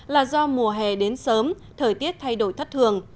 là do mùa hè đến sớm thời tiết thay đổi thất thường